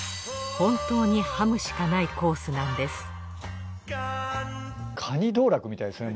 本当にハムしかないコースなんです